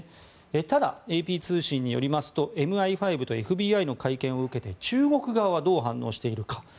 ただ、ＡＰ通信によりますとＭＩ５とＦＢＩの会見を受けて中国側はどう反応しているか。